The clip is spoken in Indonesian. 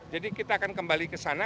jadi kita akan kembali ke sana